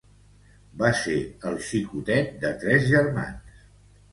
Va ser el xicotet de tres germans.